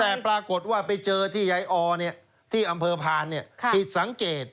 แต่ปรากฏว่าไปเจอที่ไยออเนี่ยที่อำเภอพานเนี่ยผิดสังเกต